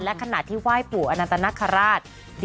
และขณะที่ไหว้ปู่อนันตนคราช